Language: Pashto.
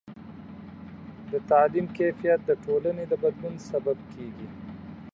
د تعلیم کیفیت د ټولنې د بدلون سبب کېږي.